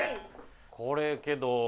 これけど。